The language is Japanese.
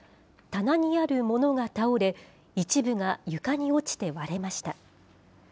棚にある物が倒れ、一部が床に落ちて割れました。